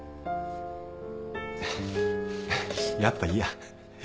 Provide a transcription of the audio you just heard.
やっぱいいや。